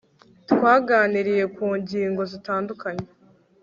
twaganiriye ku ngingo zitandukanye